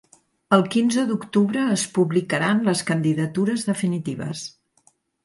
El quinze d’octubre es publicaran les candidatures definitives.